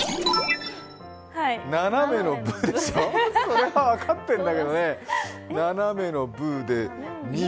斜めの「ぶ」でしょ、それは分かってるんだけどね、斜めにぶ。